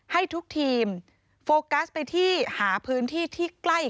ให้ทุกทีมโฟกัสไปที่หาพื้นที่ที่ใกล้